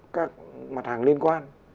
các mặt hàng liên quan